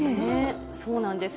そうなんです。